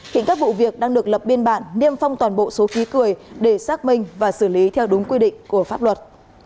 hiện các vụ việc đang được lập biên bản niêm phong toàn bộ số khí cười để xác minh và xử lý theo đúng quy định của pháp luật